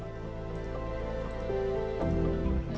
selain memiliki kontur berbukit